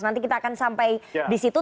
nanti kita akan sampai di situ